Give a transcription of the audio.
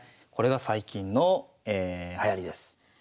これが最近のはやりです。